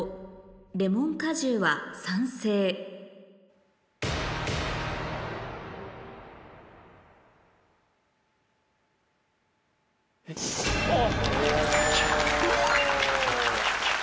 レモン果汁は酸性おぉ！